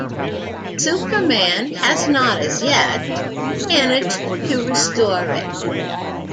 Superman has not, as yet, managed to restore it.